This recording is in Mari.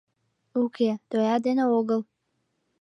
— Уке, тоя дене огыл.